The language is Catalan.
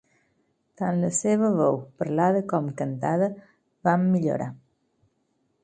Tant la seva veu parlada com cantada van millorar.